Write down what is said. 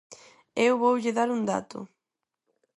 Eu voulle dar un dato.